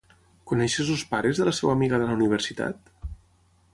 Coneixes els pares de la seva amiga de la universitat?